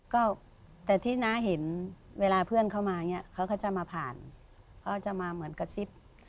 ก็แต่ที่น้าเห็นเวลาเพื่อนเขามาอย่างนี้เขาก็จะมาผ่านเขาจะมาเหมือนกระซิบ